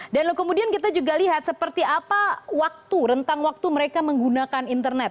dan kemudian kita juga lihat seperti apa waktu rentang waktu mereka menggunakan internet